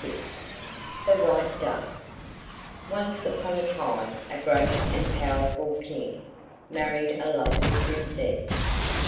THE WHITE DUCK Once upon a time a great and powerful King married a lovely Princess.